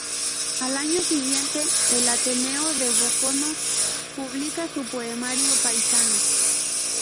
Al año siguiente el Ateneo de Boconó publica su poemario "Paisano".